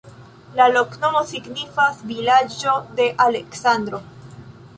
La loknomo signifas: vilaĝo de Aleksandro.